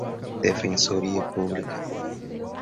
Defensoria Pública